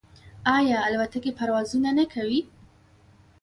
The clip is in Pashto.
آیا الوتکې پروازونه نه کوي؟